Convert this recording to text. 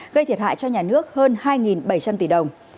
gây thiệt hại cho nhà nước hơn hai bảy trăm linh tỷ đồng